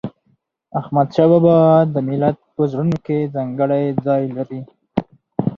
احمدشاه بابا د ملت په زړونو کې ځانګړی ځای لري.